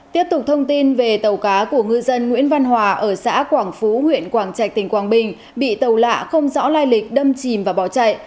tiếp tục thông tin về tàu cá của ngư dân nguyễn văn hòa ở xã quảng phú huyện quảng trạch tỉnh quảng bình bị tàu lạ không rõ lai lịch đâm chìm và bỏ chạy